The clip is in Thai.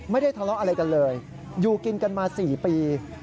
ไม่ได้ทะเลาะอะไรกันเลยอยู่กินกันมา๔ปี